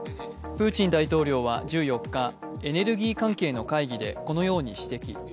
プーチン大統領は１４日、エネルギー関係の会議でこのように指摘。